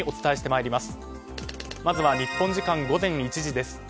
まずは日本時間午前１時です。